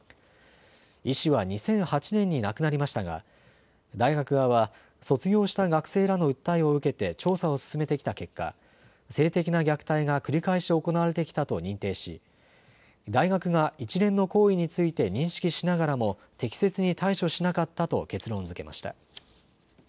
医師は２００８年に亡くなりましたが大学側は卒業した学生らの訴えを受けて調査を進めてきた結果、性的な虐待が繰り返し行われてきたと認定し、大学が一連の行為について認識しながらも適切に対処しなかったと結論づけました。